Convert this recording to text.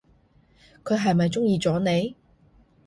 佢係咪中意咗你？